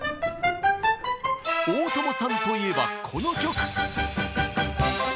大友さんといえばこの曲。